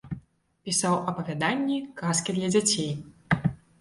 Пісаў апавяданні, казкі для дзяцей.